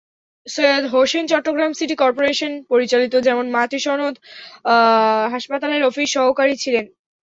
Syed Hossain Chittagong city corporation পরিচালিত মেমন মাতৃসদন হাসপাতালের অফিস সহকারী ছিলেন।